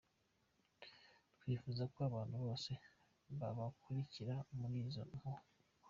Twifuza ko abantu bose babakurikira muri izo mpuhwe.